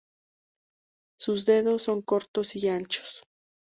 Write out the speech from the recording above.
Sus dedos son cortos y anchos.